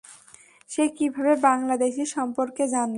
সে কীভাবে বাংলাদেশী সম্পর্কে জানলো?